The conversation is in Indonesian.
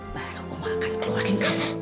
baru oma akan keluarin kamu